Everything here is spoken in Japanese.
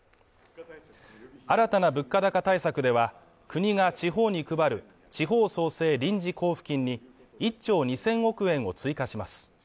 新たな物価高対策では、国が地方に配る地方創生臨時交付金に１兆２０００億円を追加します。